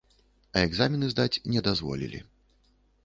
А экзамены здаць не дазволілі.